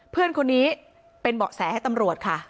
เพื่อนคนนี้เป็นเบาะแสให้ตำรวจค่ะ